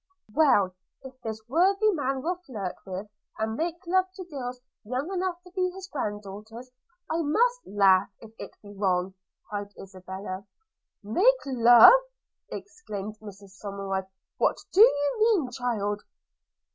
'Well, if this worthy man will flirt with and make love to girls young enough to be his grand daughters, I must laugh if it be wrong,' cried Isabella. 'Make love!' exclaimed Mrs Somerive: 'What do you mean, child?'